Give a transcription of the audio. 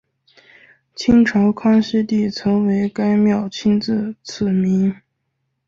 清朝康熙帝曾为该庙亲自赐名。